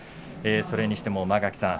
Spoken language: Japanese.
それにしても間垣さん